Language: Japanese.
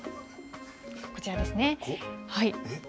こちらですね。